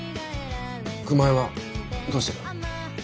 熊井はどうしてる？